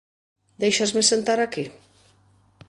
Déixasme sentar aquí?